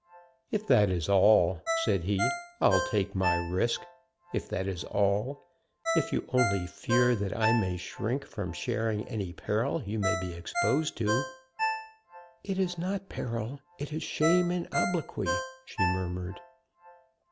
"If that is all," said he, "I take my risk if that is all if you only fear that I may shrink from sharing any peril you may be exposed to." "It is not peril it is shame and obloquy " she murmured.